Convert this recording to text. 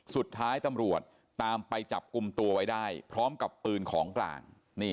สุดท้ายตำรวจตามไปจับกลุ่มตัวไว้ได้พร้อมกับปืนของกลาง